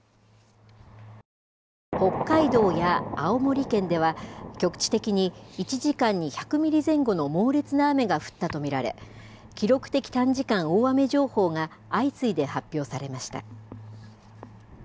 北海道や青森県では、局地的に１時間に１００ミリ前後の猛烈な雨が降ったと見られ、記録的短時間大雨情報が相次いで発表されました。